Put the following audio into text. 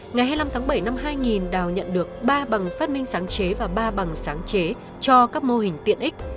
ngày hai mươi năm tháng bảy năm hai nghìn đào nhận được ba bằng phát minh sáng chế và ba bằng sáng chế cho các mô hình tiện ích